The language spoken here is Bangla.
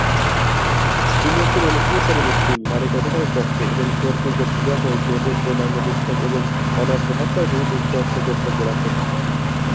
তিনি একজন অনুশীলনকারী মুসলিম, নারীর অধিকারের পক্ষে এবং জোরপূর্বক বিবাহ, মেয়েদের যৌনাঙ্গ বিচ্ছেদ এবং অনার্য হত্যার বিরুদ্ধে স্পষ্ট বক্তব্য রাখেন।